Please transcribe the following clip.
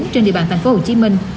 trên địa bàn thành phố hồ chí minh